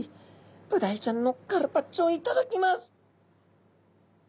ブダイちゃんのカルパッチョを頂きます。